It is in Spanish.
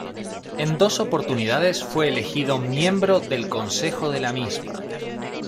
En dos oportunidades fue elegido miembro del Consejo de la misma.